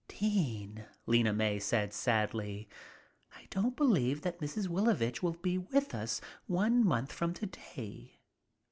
"Dean," Lena May said sadly, "I don't believe that Mrs. Wilovich will be with us one month from today."